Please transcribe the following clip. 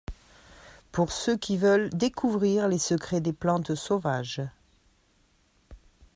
Pour ceux qui veulent découvrir les secrets des plantes sauvages